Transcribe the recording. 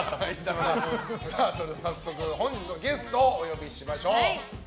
早速、本日のゲストをお呼びしましょう。